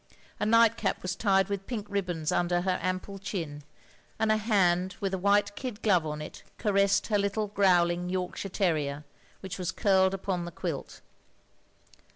A nightcap was tied with pink ribbons under her ample chin, and a hand with a white kid glove on it, caressed her little growling Yorkshire terrier, which was curled upon the quilt.